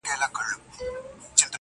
o هم ئې سکڼي، هم ئې رغوي!